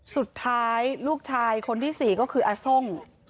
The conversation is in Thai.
สุดท้ายลูกชายคนที่๔นี่ก็คืออาโทวง